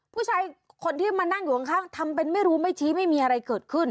ผู้ชายคนที่มานั่งอยู่ข้างทำเป็นไม่รู้ไม่ชี้ไม่มีอะไรเกิดขึ้น